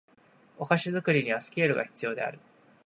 お菓子作りにはスケールが必要である